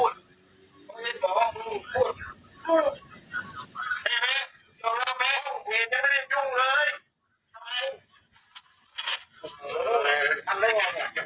นี่จะได้ยุ่งเลย